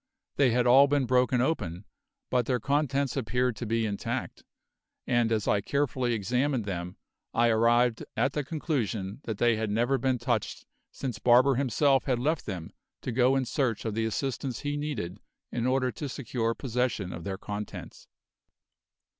They had all been broken open; but their contents appeared to be intact, and as I very carefully examined them I arrived at the conclusion that they had never been touched since Barber himself had left them to go in search of the assistance he needed in order to secure possession of their contents.